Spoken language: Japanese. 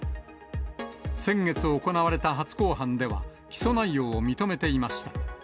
先月行われた初公判では、起訴内容を認めていました。